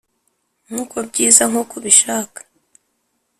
nkuko byiza nkuko ubishaka,